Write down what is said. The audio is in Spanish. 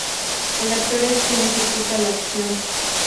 El actor es quien ejecuta la acción.